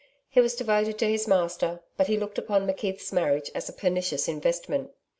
He was devoted to his master, but he looked upon McKeith's marriage as a pernicious investment.